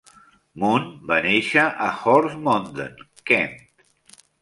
Moon va néixer a Horsmonden, Kent.